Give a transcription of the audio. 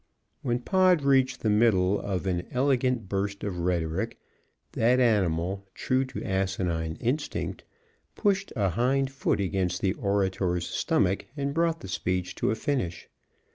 When Pod reached the middle of an elegant burst of rhetoric, that animal, true to asinine instinct, pushed a hind foot against the orator's stomach and brought the speech to a finish.